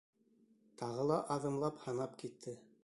Тағы ла аҙымлап һанап китте.